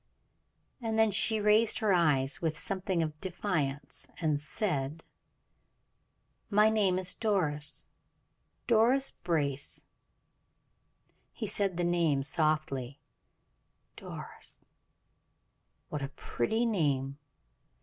And then she raised her eyes with something of defiance, and said: "My name is Doris Doris Brace." He said the name softly. "Doris! What a pretty name!